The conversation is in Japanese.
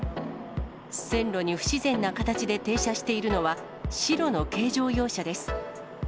線路に不自然な形で停車しているのは、白の軽乗用車です。